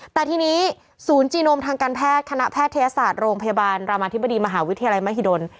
แต่ทีนี้ศูนย์จีโนมทางการแพทย์คณะแพทยศาสตร์โรงพยาบาลรามาธิบดีมหาวิทยาลัยมหิดล